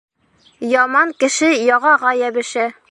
Яман кеше яғаға йәбешә.